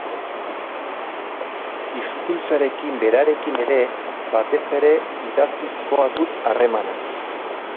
Hizkuntzarekin berarekin ere, batez ere idatzizkoa dut harremana.